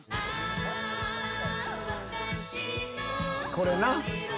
これな。